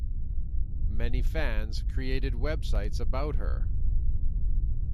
Many fans created websites about her.